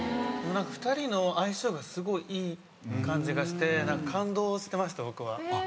２人の相性がすごいいい感じがして感動してました僕は。